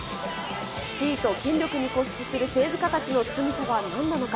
地位と権力に固執する政治家たちの罪とはなんなのか。